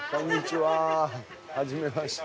はじめまして。